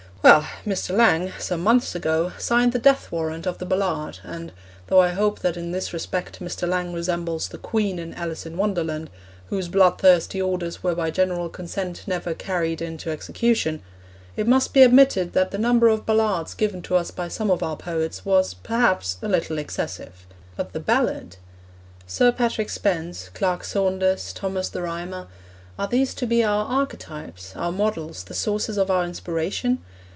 Well, Mr. Andrew Lang, some months ago, signed the death warrant of the ballade, and though I hope that in this respect Mr. Lang resembles the Queen in Alice in Wonderland, whose bloodthirsty orders were by general consent never carried into execution it must be admitted that the number of ballades given to us by some of our poets was, perhaps, a little excessive. But the ballad? Sir Patrick Spens, Clerk Saunders, Thomas the Rhymer are these to be our archetypes, our models, the sources of our inspiration?